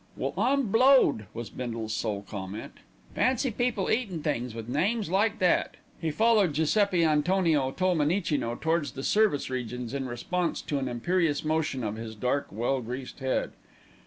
"Well, I'm blowed!" was Bindle's sole comment. "Fancy people eatin' things with names like that." He followed Giuseppi Antonio Tolmenicino towards the "service" regions in response to an imperious motion of his dark, well greased head.